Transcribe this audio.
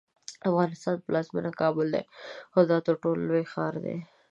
د افغانستان پلازمینه کابل ده او دا ترټولو لوی ښار دی.